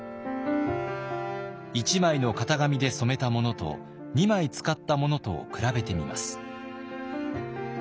１枚の型紙で染めたものと２枚使ったものとを比べてみます。